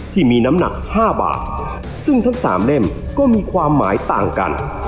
ที่มีน้ำหนักห้าบาทซึ่งทั้งสามเล่มก็มีความหมายต่างกัน